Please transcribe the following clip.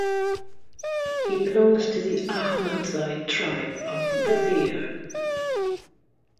He belongs to the Ahmadzai tribe of Wazir.